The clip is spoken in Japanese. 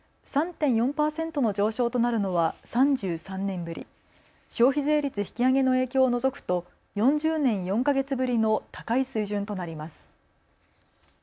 ３．４％の上昇となるのは３３年ぶり、消費税率引き上げの影響を除くと４０年４か月ぶりの高い水準となります。